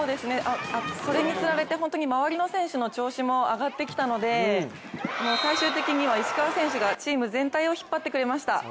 それに釣られて周りの選手の調子も上がってきたので最終的には石川選手がチーム全体を引っ張ってくれました。